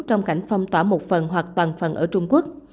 trong cảnh phong tỏa một phần hoặc toàn phần ở trung quốc